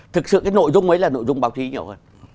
thực sự cái nội dung ấy là nội dung báo chí nhiều hơn